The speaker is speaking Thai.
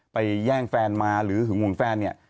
แย่งแฟนมาหรือหึงห่วงแฟนเนี่ย